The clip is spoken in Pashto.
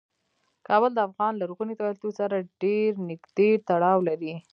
کابل د افغان لرغوني کلتور سره ډیر نږدې تړاو لري.